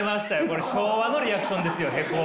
これ昭和のリアクションですよヘコ。